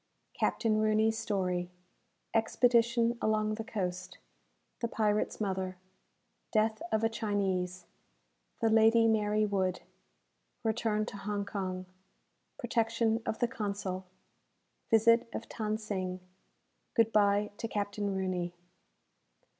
Captain Rooney's story Expedition along the Coast The Pirate's Mother Death of a Chinese The "Lady Mary Wood" Return to Hong Kong Protection of the Consul Visit of Than Sing Good bye to Captain Rooney.